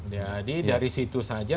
jadi dari situ saja